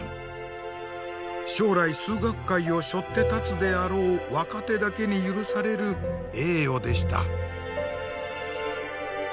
将来数学界を背負って立つであろう若手だけに許される栄誉でした。